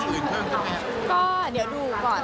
ก็เดี๋ยวดูก่อนละกันค่ะว่าเป็นอย่างไร